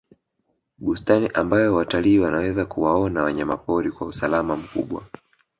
bustani ambayo watalii wanaweza kuwaona wanyamapori kwa usalama mkubwa